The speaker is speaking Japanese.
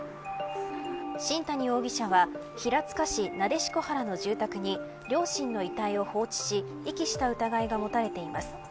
新谷容疑者は平塚市撫子原の住宅に両親の遺体を放置し遺棄した疑いが持たれています。